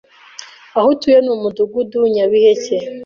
aho atuye ni umudugudu nyabiheke